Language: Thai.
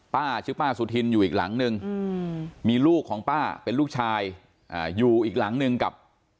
ป้าชื่อป้าสุธินอยู่อีกหลังนึงมีลูกของป้าเป็นลูกชายอยู่อีกหลังนึงกับ